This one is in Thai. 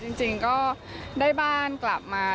จริงก็ได้บ้านกลับมา